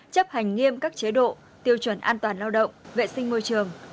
chấp hành nghiêm các chế độ tiêu chuẩn an toàn lao động vệ sinh môi trường